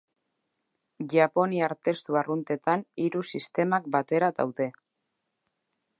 Japoniar testu arruntetan hiru sistemak batera daude.